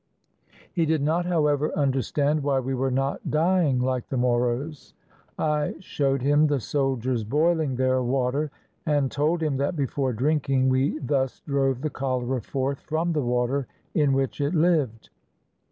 He did not, however, understand why we were not dy ing like the Moros. I showed him the soldiers boiling their water, and told him that before drinking we thus drove the cholera forth from the water in which it lived.